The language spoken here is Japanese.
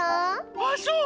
あっそう？